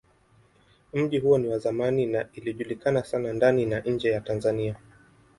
Mji huo ni wa zamani na ilijulikana sana ndani na nje ya Tanzania.